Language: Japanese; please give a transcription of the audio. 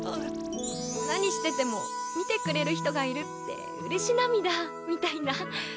何してても見てくれる人がいるって嬉し涙みたいな？